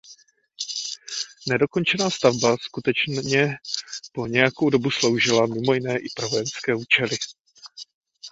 Nedokončená stavba skutečně po nějakou dobu sloužila mimo jiné i pro vojenské účely.